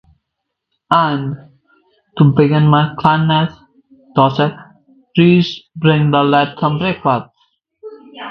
And, to begin my kindness, Joseph, bring the lad some breakfast.